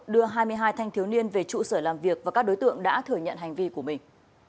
đưa hai mươi hai thanh thiếu niên về trụ sở làm việc và các đối tượng đã thừa nhận hành vi của mình